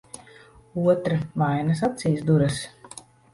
Otra vainas acīs duras.